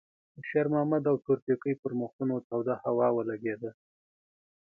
د شېرمحمد او تورپيکۍ پر مخونو توده هوا ولګېده.